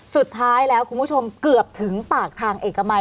สุดท้ายแล้วคุณผู้ชมเกือบถึงปากทางเอกมัย